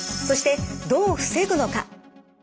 そしてどう防ぐのか。